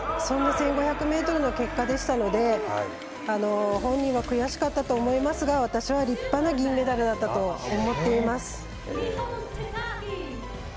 そんな１５００ｍの結果でしたので本人は悔しかったと思いますが私は立派な銀メダルだったと思っています。